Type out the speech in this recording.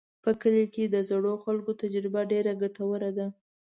په کلي کې د زړو خلکو تجربه ډېره ګټوره ده.